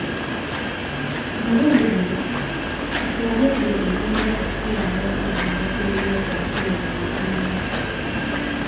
Ku mulundi guno, katulabe ebyo ebiyinza okutuyamba okuvvuunuka ebyekwaso ebyo bye tulina.